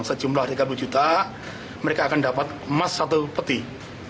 sejumlah tiga puluh juta mereka akan dapat emas satu peti